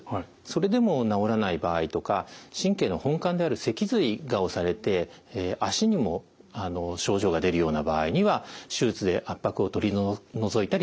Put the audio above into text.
それでも治らない場合とか神経の本管である脊髄が押されて足にも症状が出るような場合には手術で圧迫を取り除いたりします。